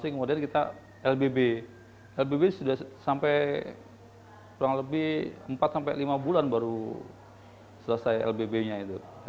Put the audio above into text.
kemudian kita lbb lbb sudah sampai kurang lebih empat sampai lima bulan baru selesai lbb nya itu